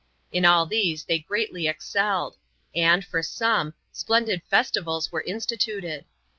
In all these they greatly excelled; and, for some, splendid festivals were instituted.